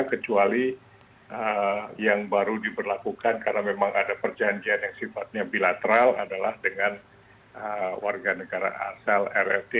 kecuali yang baru diberlakukan karena memang ada perjanjian yang sifatnya bilateral adalah dengan warga negara asal rrt